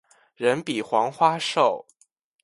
人比黄花瘦